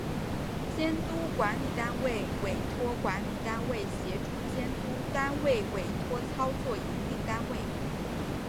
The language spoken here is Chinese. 监督管理单位委托管理单位协助监督单位委托操作营运单位